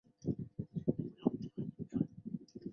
盛彦师人。